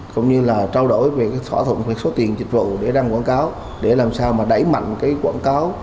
cũng như là trao đổi về sổ tiền dịch vụ để đăng quảng cáo để làm sao đẩy mạnh quảng cáo